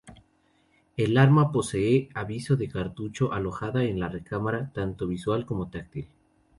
El arma posee aviso de cartucho alojada en la recámara, tanto visual como táctil.